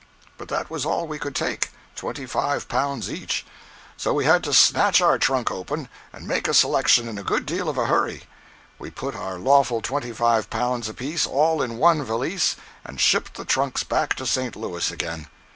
But that was all we could take—twenty five pounds each. So we had to snatch our trunks open, and make a selection in a good deal of a hurry. We put our lawful twenty five pounds apiece all in one valise, and shipped the trunks back to St. Louis again.